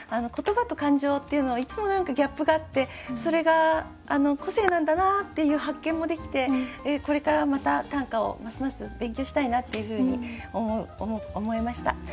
言葉と感情っていうのはいつも何かギャップがあってそれが個性なんだなっていう発見もできてこれからまた短歌をますます勉強したいなっていうふうに思いました。